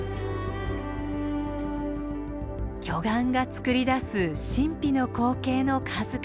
巨岩がつくり出す神秘の光景の数々。